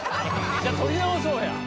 じゃあ撮り直そうや。